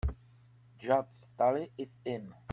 Judge Tully is in.